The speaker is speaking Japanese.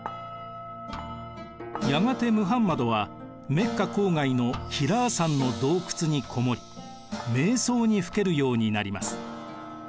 やがてムハンマドはメッカ郊外のヒラー山の洞窟にこもり瞑想にふけるようになります。